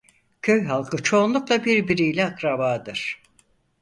Köy halkı çoğunlukla birbiriyle akrabadır.